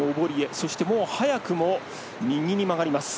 そしてもう早くも右に曲がります。